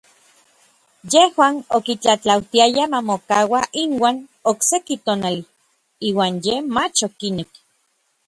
Yejuan okitlatlautiayaj ma mokaua inuan okseki tonali, iuan yej mach okinek.